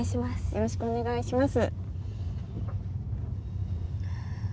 よろしくお願いします。